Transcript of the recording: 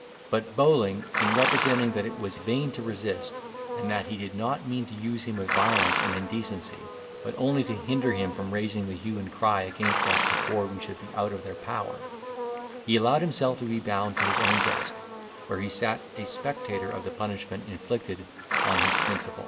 But Bowling representing that it was in vain to resist, and that he did not mean to use him with violence and indecency, but only to hinder him from raising the hue and cry against us before we should be out of their power, he allowed himself to be bound to his own desk, where he sat a spectator of the punishment inflicted on his principal.